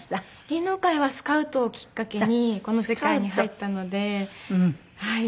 芸能界はスカウトをきっかけにこの世界に入ったのではい。